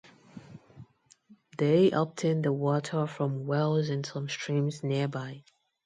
They obtain the water from wells and some streams nearby.